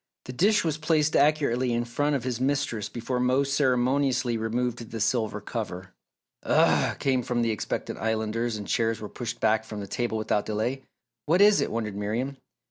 The dish was placed accurately in front of his mistress before Mose ceremoniously removed the silver cover. "Ugh!" came from expectant Islanders and chairs were pushed back from the table without delay. "What is it?" wondered Miriam.